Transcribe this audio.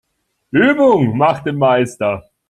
Übung macht den Meister.